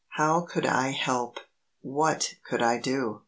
How could I help? What could I do?